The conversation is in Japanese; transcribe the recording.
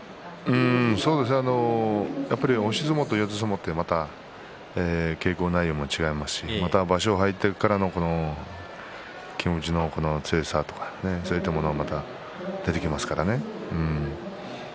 やっぱり押し相撲と四つ相撲って稽古内容も違いますし場所に入ってからの気持ちの強さとかそういったものもまた出てきますからね。